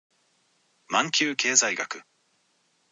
マンキュー経済学